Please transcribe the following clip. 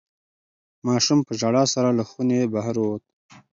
ماشوم په ژړا سره له خونې بهر ووت.